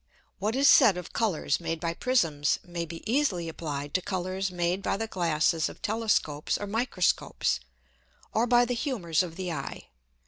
What is said of Colours made by Prisms may be easily applied to Colours made by the Glasses of Telescopes or Microscopes, or by the Humours of the Eye.